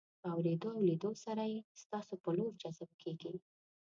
په اورېدو او لیدو سره یې ستاسو په لور جذب کیږي.